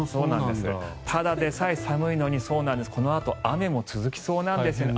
ただでさえ寒いのにこのあと雨も続きそうなんです。